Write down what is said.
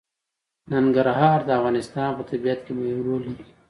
ننګرهار د افغانستان په طبیعت کې مهم رول لري.